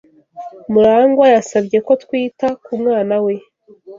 Murangwa yasabye ko twita ku mwana we.